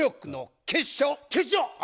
決勝！